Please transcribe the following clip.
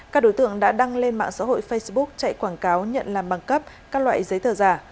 các đối tượng đã đăng lên mạng xã hội facebook chạy quảng cáo nhận làm bằng cấp các loại giấy tờ giả